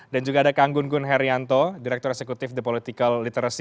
dan juga ada kang gunggun herianto direktur eksekutif the political literacy